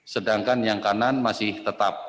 sedangkan yang kanan masih tetap